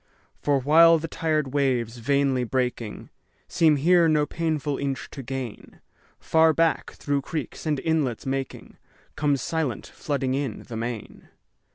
For while the tired waves, vainly breaking, Seem here no painful inch to gain, Far back, through creeks and inlets making, Comes silent, flooding in, the main.